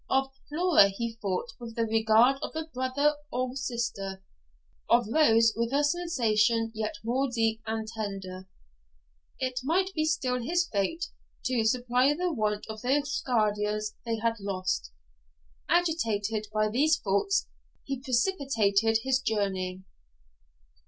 Of Flora he thought with the regard of a brother for a sister; of Rose with a sensation yet more deep and tender. It might be still his fate to supply the want of those guardians they had lost. Agitated by these thoughts he precipitated his journey.